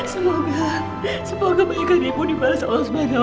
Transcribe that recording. semoga semoga kebaikan ibu dibalas oleh allah swt ya bu